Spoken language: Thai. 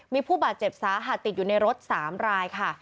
มีผู้บาดเจ็บสาหัสติดอยู่ในรถ๓รายค่ะ